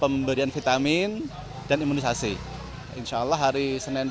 pemberian vitamin dan obat cacing gratis di kantor rt dua belas kepada kucing yang ada di wilayah rw lima suntar agung